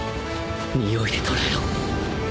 においで捉えろ